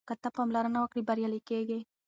که ته پاملرنه وکړې بریالی کېږې.